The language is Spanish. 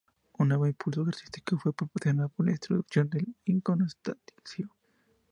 Un nuevo impulso artístico fue proporcionada por la introducción del iconostasio.